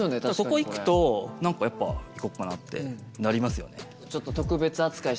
ここ行くと何かやっぱ行こうかなってなりますよね。